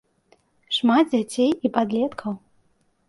Шмат дзяцей і падлеткаў.